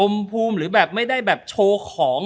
ภูมิหรือแบบไม่ได้แบบโชว์ของ